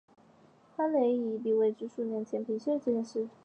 蕾哈娜和拉沙佩勒以一笔未知数量的钱平息了这件事情。